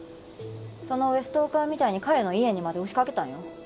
その上ストーカーみたいに嘉代の家にまで押し掛けたんよ。